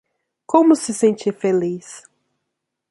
Como se sentir feliz?